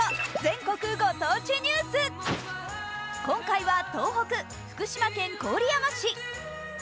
今回は東北・福島県郡山市。